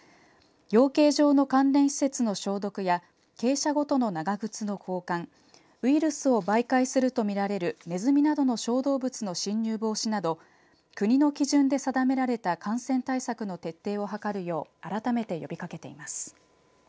養鶏場の関連施設の消毒や鶏舎ごとの長靴の交換ウイルスを媒介すると見られるねずみなどの小動物の侵入防止など国の基準で定められた感染対策の徹底を図るよう改めて呼びかけています。